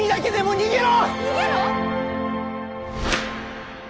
逃げろ？